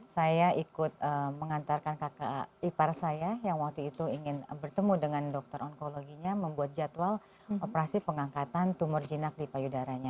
saya ikut mengantarkan kakak ipar saya yang waktu itu ingin bertemu dengan dokter onkologinya membuat jadwal operasi pengangkatan tumor jinak di payudaranya